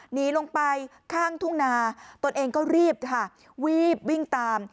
หนีลงไปข้างทุ่งนาตนเองก็รีบค่ะรีบวิ่งตาม